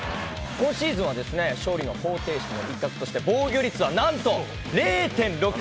今シーズンは、勝利の方程式の一角として、防御率はなんと０．６１。